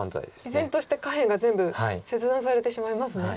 依然として下辺が全部切断されてしまいますね。